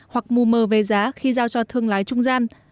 hoặc mù mờ về giá khi giao cho thương lái trung gian